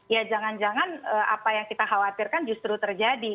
ya jangan jangan apa yang kita khawatirkan justru terjadi